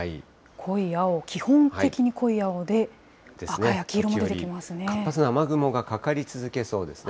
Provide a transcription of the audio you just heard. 濃い青、基本的に濃い青で、時折、活発な雨雲がかかり続けそうですね。